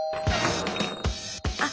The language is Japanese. あっ！